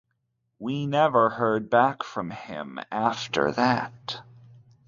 We never heard back from him after that.